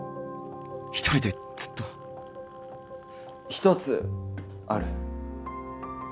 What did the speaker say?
一人でずっと一つある。